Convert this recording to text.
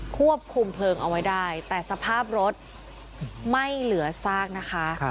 ควบคุมเพลิงเอาไว้ได้แต่สภาพรถไม่เหลือซากนะคะ